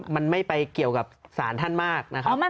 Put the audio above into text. เพราะถ้าเข้าไปอ่านมันจะสนุกมาก